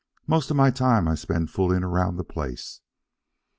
Most of my time I spend fooling around the place.